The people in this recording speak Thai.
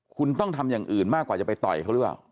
คุณต้องทำอย่างอื่นมากกว่าจะไปต่อยเขาหรือเปล่า